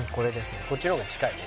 こっちのが近いね